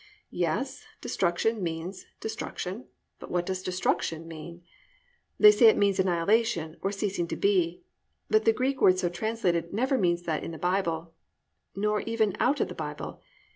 Yes, "destruction" means destruction, but what does destruction mean? They say it means annihilation, or ceasing to be, but the Greek word so translated never means that in the Bible, nor even out of the Bible.